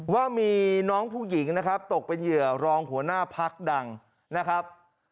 ว่ามีน้องผู้หญิงนะครับตกเป็นเหยื่อรองหัวหน้าพักดังนะครับ